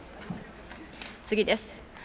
次です。